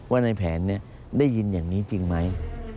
ว่าในแผนได้ยินอย่างนี้จริงไหม